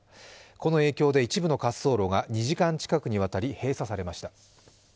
この影響で一部の滑走路が２時間近く閉鎖されました。